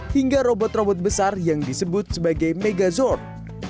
hingga robot robot besar yang disebut sebagai megazord